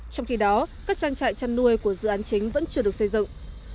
trong khi đó các trang trại chăn nuôi của dự án chính vẫn chưa được xây dựng